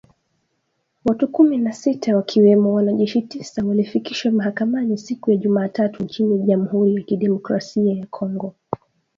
Watu kumi na sita wakiwemo wanajeshi tisa walifikishwa mahakamani siku ya Jumatatu nchini Jamhuri ya Kidemokrasi ya Kongo.